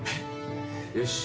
よし。